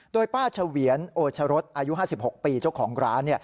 โดยป้าเฉวียนโอชรสอายุ๕๖ปีเจ้าของร้าน